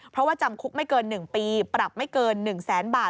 เพราะว่าจำคุกไม่เกิน๑ปีปรับไม่เกิน๑แสนบาท